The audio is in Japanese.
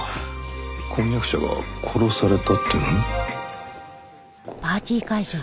婚約者が殺されたっていうのに！？